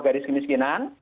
di garis kemiskinan